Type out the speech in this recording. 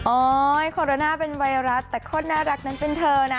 โคโรนาเป็นไวรัสแต่คนน่ารักนั้นเป็นเธอนะ